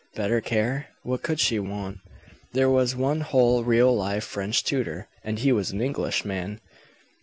Better care? What could she want? There was one whole, real, live French tutor and he an Englishman!